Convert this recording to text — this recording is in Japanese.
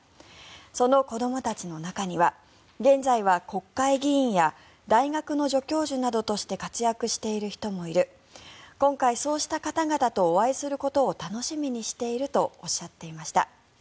その子どもたちの中には現在は国会議員や大学の助教授などとして活躍している人もいる今回、そうした方々とお会いすることを楽しみにしているとおっしゃっていました。